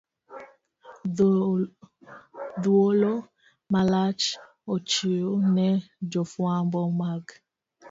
Thuolo malach ochiw ne jofwambo mag